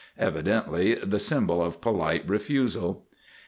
Evidently the symbol of polite refusal.